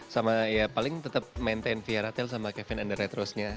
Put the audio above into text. sama ya paling tetap maintain vyra tail sama kevin and the retros nya